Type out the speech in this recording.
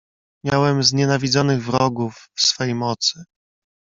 "Miałem znienawidzonych wrogów w swej mocy."